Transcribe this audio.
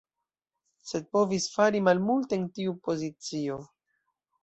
Sed povis fari malmulte en tiu pozicio.